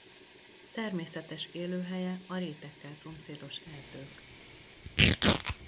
Természetes élőhelye a rétekkel szomszédos erdők.